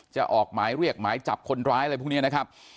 จะออกหมายเรียกหมายจับคนร้ายอะไรพวกนี้นะครับ